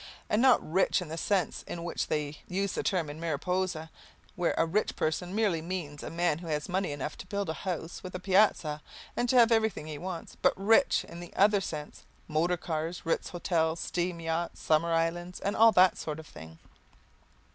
And not rich in the sense in which they use the term in Mariposa, where a rich person merely means a man who has money enough to build a house with a piazza and to have everything he wants; but rich in the other sense, motor cars, Ritz hotels, steam yachts, summer islands and all that sort of thing.